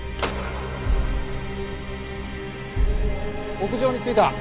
屋上に着いた。